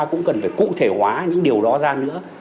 cũng cần phải cụ thể hóa những điều đó ra nữa